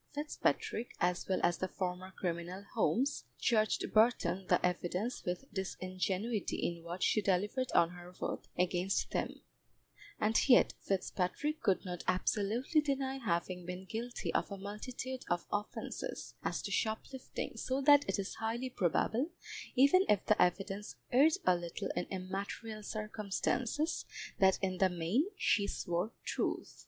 Fitzpatrick, as well as the former criminal Holmes, charged Burton the evidence with disingenuity in what she delivered on her oath against them, and yet Fitzpatrick could not absolutely deny having been guilty of a multitude of offences as to shoplifting, so that it is highly probable, even if the evidence erred a little in immaterial circumstances, that in the main she swore truth.